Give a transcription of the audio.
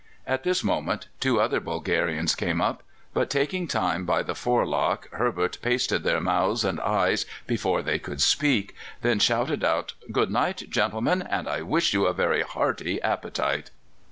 At this moment two other Bulgarians came up; but, taking time by the forelock, Herbert pasted their mouths and eyes before they could speak, then shouted out, "Good night, gentlemen, and I wish you a very hearty appetite."